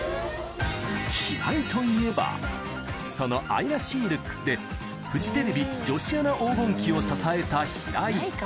平井といえば、その愛らしいルックスで、フジテレビ女子アナ黄金期を支えた平井。